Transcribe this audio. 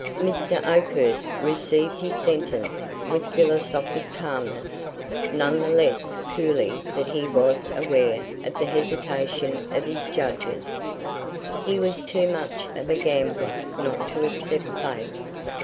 Mr. Oakhurst received his sentence with philosophic calmness, none the less coolly that he was aware of the hesitation of his judges. He was too much of a gambler not to accept Fate.